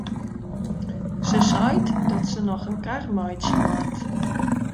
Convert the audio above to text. Se seit dat se noch in kar meitsje moat.